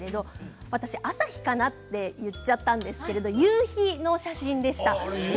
私、朝日かなと言っちゃったんですが夕日の写真でした。